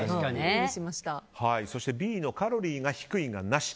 そしてＢのカロリーが低いがなし。